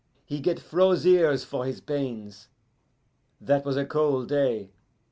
He get froze ears for his pains that was a cold day.